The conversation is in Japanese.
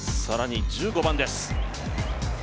更に１５番です。